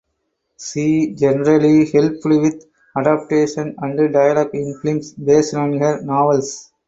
She generally helped with adaptation and dialogue in films based on her novels.